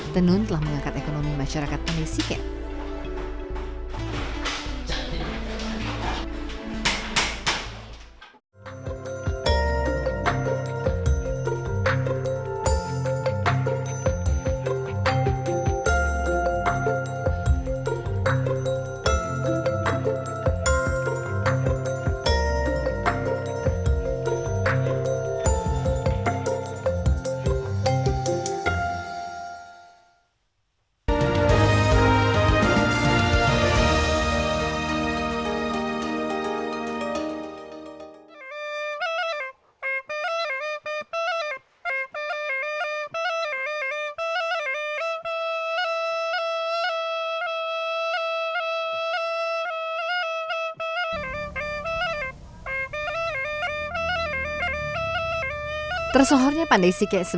tenun telah mengangkat ekonomi masyarakat pandai siket